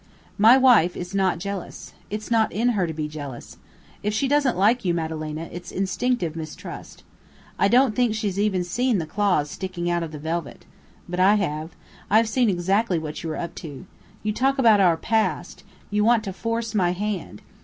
"My wife is not jealous. It's not in her to be jealous. If she doesn't like you, Madalena, it's instinctive mistrust. I don't think she's even seen the claws sticking out of the velvet. But I have. I've seen exactly what you are up to. You talk about our 'past'. You want to force my hand.